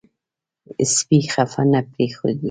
سپي خفه نه پرېښوئ.